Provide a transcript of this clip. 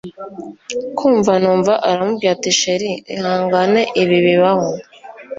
kumva numva aramubwiye ati chr! ihangane ibi bibaho